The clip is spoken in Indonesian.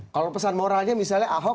kalau pesan moralnya misalnya ahok